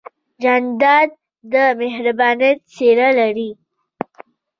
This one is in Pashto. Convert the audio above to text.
جانداد د مهربانۍ څېرہ لري.